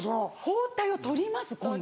包帯を取ります今度。